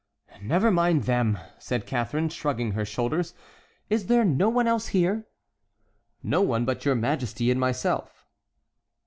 "Never mind them," said Catharine, shrugging her shoulders; "is there no one else here?" "No one but your majesty and myself."